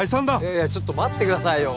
いやいやちょっと待ってくださいよ